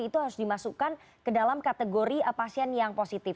itu harus dimasukkan ke dalam kategori pasien yang positif